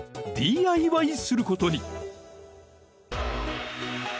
ＤＩＹすることに］